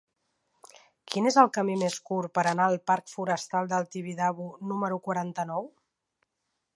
Quin és el camí més curt per anar al parc Forestal del Tibidabo número quaranta-nou?